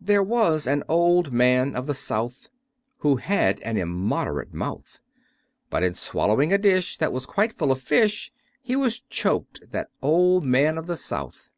There was an Old Man of the South, Who had an immoderate mouth; But in swallowing a dish that was quite full of Fish, He was choked, that Old Man of the South.